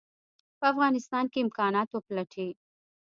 په افغانستان کې امکانات وپلټي.